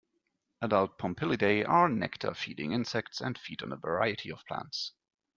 Adult Pompilidae are nectar-feeding insects and feed on a variety of plants.